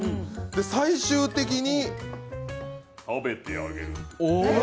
最終的に「たべてあげる」。